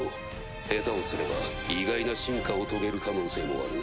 下手をすれば意外な進化を遂げる可能性もある。